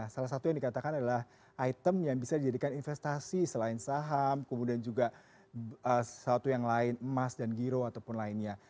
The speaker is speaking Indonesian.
salah satu yang dikatakan adalah item yang bisa dijadikan investasi selain saham kemudian juga satu yang lain emas dan giro ataupun lainnya